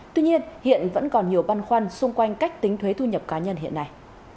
tuy nhiên hiện vẫn còn nhiều băn khoăn xung quanh cách tính thuế thu nhập cá nhân hiện nay